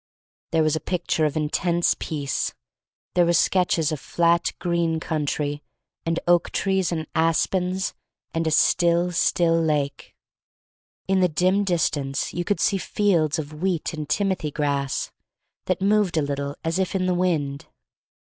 There was a picture of intense peace. There were stretches of flat, green country, and oak trees and aspens, and a still, still lake. In the dim distance you could see fields of wheat and timothy grass that moved a little as if in the wind.